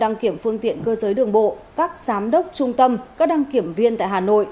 đăng kiểm phương tiện cơ giới đường bộ các giám đốc trung tâm các đăng kiểm viên tại hà nội